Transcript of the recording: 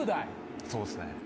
そうですね。